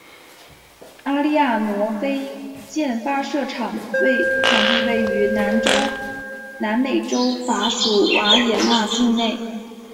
阿丽亚娜火箭发射场地位于南美洲法属圭亚那境内盖亚那太空中心。